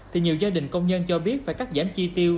thì nhiều gia đình công nhân cho biết phải cắt giảm chi tiêu